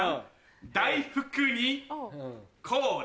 大福にコーラ